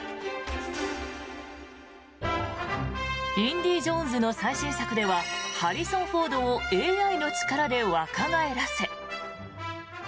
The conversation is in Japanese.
「インディ・ジョーンズ」の最新作ではハリソン・フォードをＡＩの力で若返らせ。